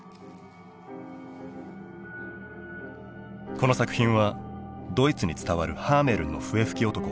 この作品はドイツに伝わる「ハーメルンの笛吹き男」